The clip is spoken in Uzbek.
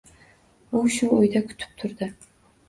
U shu o’yda kutib turdi.